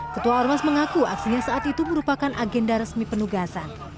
ketua ormas mengaku aksinya saat itu merupakan agenda resmi penugasan